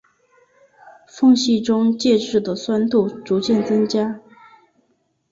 缝隙中介质的酸度逐渐增加。